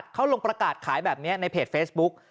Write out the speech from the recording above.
เขาลงประกาศขายแบบนี้ในเพจเฟซบุ๊ก